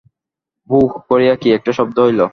বু-উ-উ-উ করিয়া কি একটা শব্দ হইল।